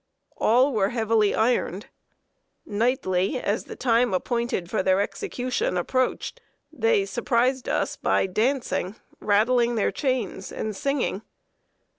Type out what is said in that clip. All were heavily ironed. Nightly, as the time appointed for their execution approached, they surprised us by dancing, rattling their chains, and singing.